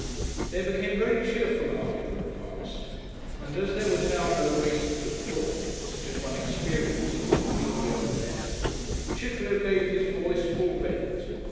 They became very cheerful after the repast, and as there was now no waste to deplore, such as one experiences in the windy, open air, Chitterlow gave his voice full vent.